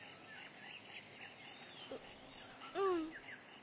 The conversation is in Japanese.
うん。